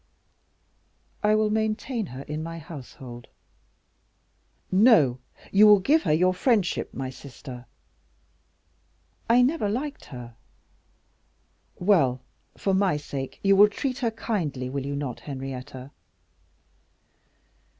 "I will maintain her in my household." "No, you will give her your friendship, my sister." "I never liked her." "Well, for my sake, you will treat her kindly, will you not, Henrietta?"